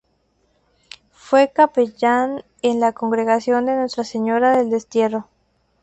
Fue capellán de la congregación de Nuestra Señora del Destierro.